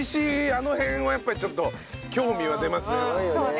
あの辺はやっぱりちょっと興味は出ますね。